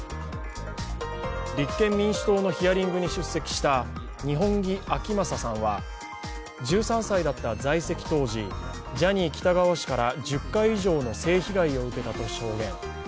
立憲民主党のヒアリングに出席した二本樹顕理さんは、１３歳だった在籍当時、ジャニー喜多川氏から１０回以上の性被害を受けたと証言。